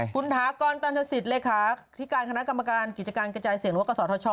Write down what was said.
คุณถากรตันทศิษย์เลขาธิการคณะกรรมการกิจการกระจายเสียงหรือว่ากศธช